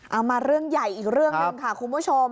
มาเรื่องใหญ่อีกเรื่องหนึ่งค่ะคุณผู้ชม